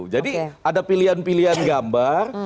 jadi ada pilihan pilihan gambar